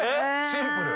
シンプル。